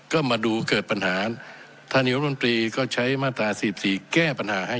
ก็มาดูเกิดปัญหาท่านยนต์มันตรีก็ใช้มาตราสิทธิแก้ปัญหาให้